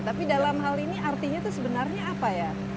tapi dalam hal ini artinya itu sebenarnya apa ya